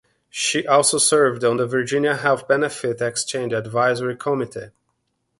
She also served on the Virginia Health Benefit Exchange Advisory Committee.